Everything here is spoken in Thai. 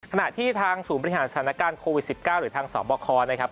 ขณะที่ทางศูนย์บริหารสถานการณ์โควิด๑๙หรือทางสอบคอนะครับ